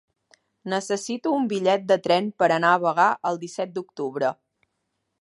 Necessito un bitllet de tren per anar a Bagà el disset d'octubre.